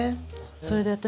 それで私